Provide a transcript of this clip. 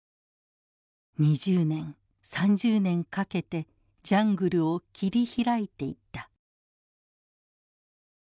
「２０年３０年かけてジャングルを切り開いていった」。